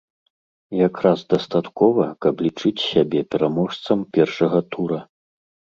Якраз дастаткова, каб лічыць сябе пераможцам першага тура.